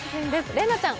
麗菜ちゃん